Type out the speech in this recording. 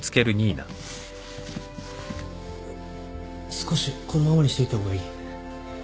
少しこのままにしといた方がいい。